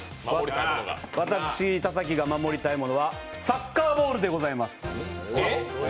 私、田崎が守りたいものはサッカーボールでございます。